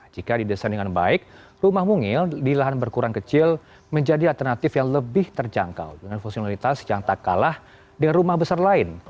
jika didesain dengan baik rumah mungil di lahan berkurang kecil menjadi alternatif yang lebih terjangkau dengan fungsionalitas yang tak kalah dengan rumah besar lain